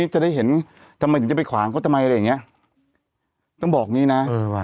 จะได้เห็นทำไมจะไปขวางก็ทำไมอะไรอย่างเงี้ยต้องบอกนี่น่ะเออ